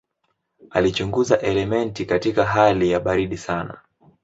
Alichunguza elementi katika hali ya baridi sana.